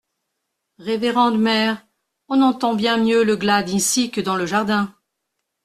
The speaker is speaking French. Révérende mère, on entend bien mieux le glas d'ici que dans le jardin.